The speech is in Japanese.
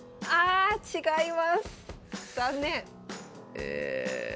え。